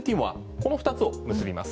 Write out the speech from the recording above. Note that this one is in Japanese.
この二つを結びます。